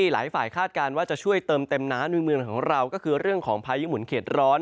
หลายฝ่ายคาดการณ์ว่าจะช่วยเติมเต็มน้ำในเมืองของเราก็คือเรื่องของพายุหมุนเข็ดร้อน